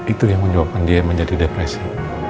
itu yang menyebabkan dia menjadi depresi